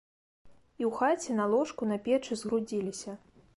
І ў хаце на ложку, на печы згрудзіліся.